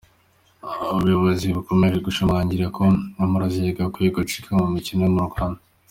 Ubuyobozi bwakomeje gushimangira ko amarozi yagakwiye gucika mu mikino yo mu Rwanda.